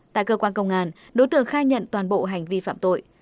tại cơ quan công an đối tượng khai nhận toàn bộ hành vi phạm tội